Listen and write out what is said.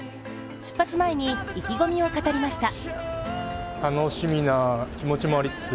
出発前に意気込みを語りました。